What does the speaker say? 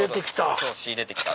今日仕入れて来た。